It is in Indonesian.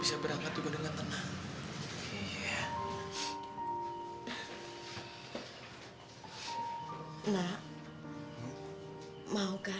sekarang ibu sudah ikhlas sama gita